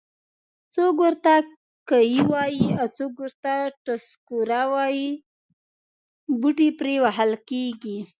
څوک ورته کیه وایي او څوک ټسکوره. بوټي پرې وهل کېږي.